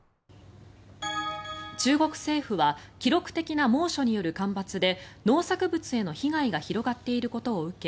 中国政府は記録的な猛暑による干ばつで農作物への被害が広がっていることを受け